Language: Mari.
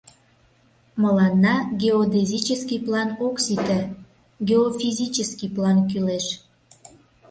Мыланна геодезический план ок сите, геофизический план кӱлеш.